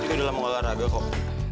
itu dalam mengolah raga kok